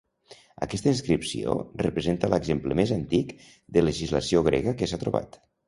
Aquesta inscripció representa l'exemple més antic de legislació grega que s'ha trobat.